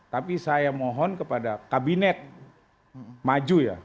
tapi saya mohon kepada kabinet maju ya